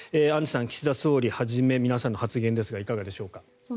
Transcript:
アンジュさん、岸田総理はじめ皆さんの発言ですがいかがでしょうか。